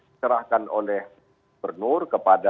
dikerahkan oleh gubernur kepada